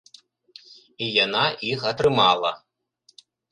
І яна іх атрымала.